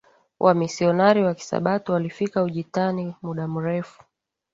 Wamisionari wa Kisabato walifika Ujitani muda mrefu